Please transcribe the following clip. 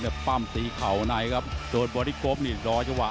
เนี่ยปั้มตีเข่านายครับโดยบอลลี่โก๊ปนี่รอเฉวะ